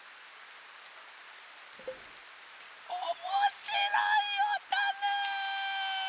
おもしろいおとね！